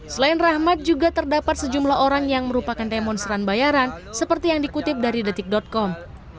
selain rahmat juga terdapat sejumlah orang yang merupakan demonstran bayaran seperti yang dikutip dari detik com